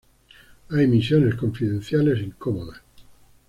Hay misiones confidenciales incómodas..